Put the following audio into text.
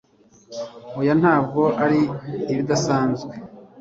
Oya ntabwo ari ibidasanzwe